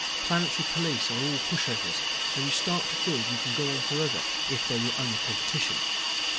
Planetary police are all pushovers and you start to feel you can go on forever if they're your only competition.